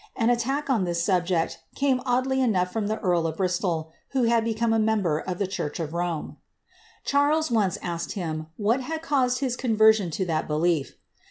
An attack on this subject came oddly ■■ough from the earl of Bristol, who had become a member of tlie dinrch of Rome. Charles once asked him, what had caused his conversion to that belief.